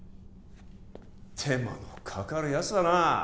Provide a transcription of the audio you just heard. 手間のかかるやつだな！